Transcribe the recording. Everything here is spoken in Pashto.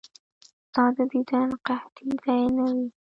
ستا د دیدن قحطي دې نه وي.